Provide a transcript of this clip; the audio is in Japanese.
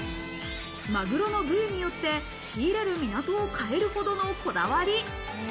マグロの部位によって仕入れる港を変えるほどのこだわり。